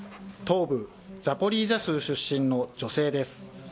東部ザポリージャ州出身の女性です。